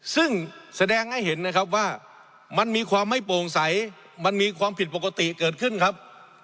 ซึ่งแสดงให้เห็นนะครับว่ามันมีความไม่โปร่งใสมันมีความผิดปกติเกิดขึ้นครับ